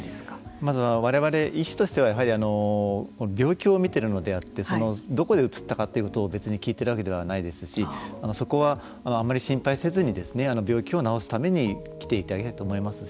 まずは我々医師としてはやはり病気を診てるのであってどこでうつったかということを別に聞いているわけではないですしそこはあまり心配せずに病気を治すために来ていただきたいと思いますし。